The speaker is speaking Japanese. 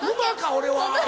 俺は！